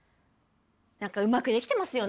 何かうまくできてますよね。